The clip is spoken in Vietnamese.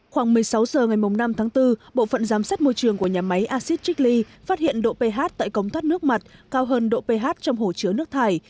khoảng một mươi sáu h ngày năm tháng bốn bộ phận giám sát môi trường của nhà máy acid trik lee phát hiện độ ph tại cống thoát nước mặt cao hơn độ ph trong hồ chứa nước thải